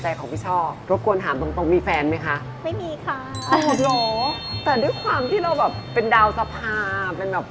แต่ด้วยความที่เราแบบเป็นดาวสภา